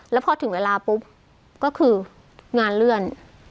แล้วพอถึงเวลาปุ๊บก็คืองานเลื่อน